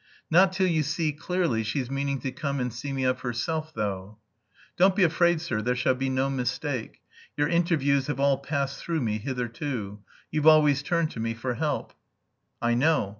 "Not till you see clearly she's meaning to come and see me of herself, though." "Don't be afraid, sir, there shall be no mistake. Your interviews have all passed through me, hitherto. You've always turned to me for help." "I know.